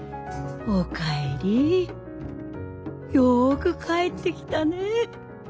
おかえりよく帰ってきたね。